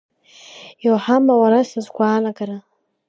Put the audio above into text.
Иуаҳама уара са сгәаанагара?